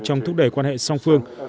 trong thúc đẩy quan hệ song phương